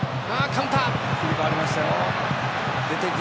カウンターだ。